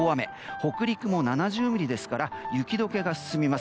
北陸も７０ミリですから雪解けが進みます